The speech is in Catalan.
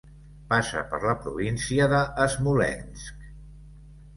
Passa per la província de Smolensk.